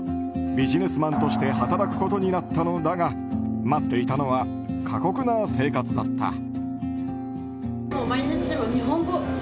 ビジネスマンとして働くことになったのだが待っていたのは過酷な生活だった。